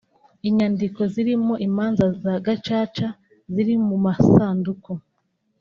Inyandiko zirimo imanza za Gacaca ziri mu masanduku